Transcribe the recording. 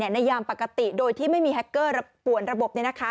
ยามปกติโดยที่ไม่มีแฮคเกอร์ป่วนระบบ